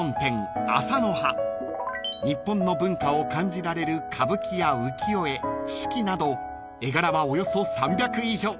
［日本の文化を感じられる歌舞伎や浮世絵四季など絵柄はおよそ３００以上］